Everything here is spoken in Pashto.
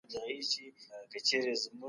هغه وويل چي ښه اخلاق خپل کړئ.